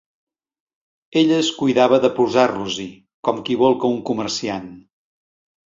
Ella es cuidava de posar-los-hi, com qui volca un comerciant.